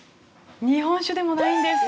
日本酒でもないんです。